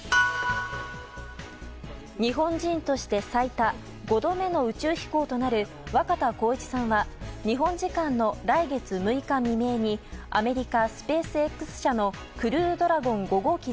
日本人として最多５度目の宇宙飛行となる、若田光一さんは日本時間の来月６日未明にアメリカスペースＸ社の「クルードラゴン５号機」